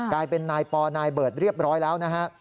กลายเป็นนายปอนายเบิร์ตเรียบร้อยแล้วนะฮะ